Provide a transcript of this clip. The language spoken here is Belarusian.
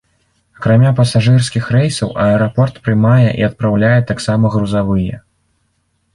Акрамя пасажырскіх рэйсаў аэрапорт прымае і адпраўляе таксама грузавыя.